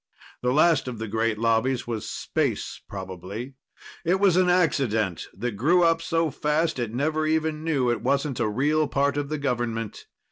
The last of the great lobbies was Space, probably. It was an accident that grew up so fast it never even knew it wasn't a real part of the government.